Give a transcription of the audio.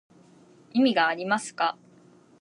意味がありますか